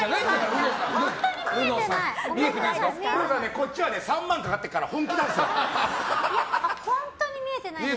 こっちは３万かかってるから本当に見えてないです。